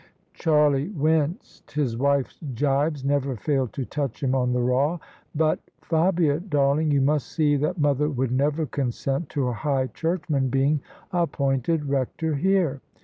Charlie winced : his wife's jibes never failed to touch him on the raw. " But, Fabia darling, you must see that mother would never consent to a high churchman being appointed rector here."